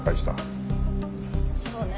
そうね。